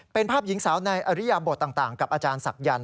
เป็นภาพหญิงสาวในอริยบทต่างกับอาจารย์ศักยันต